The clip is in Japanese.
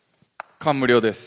感無量です。